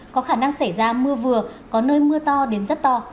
có khả năng xảy ra mưa vừa có nơi mưa to đến rất to